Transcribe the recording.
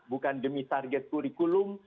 bukan demi target kurikulum